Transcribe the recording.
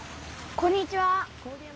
こんにちは。